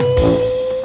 gak jadi pak d